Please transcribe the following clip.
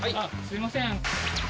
すいません。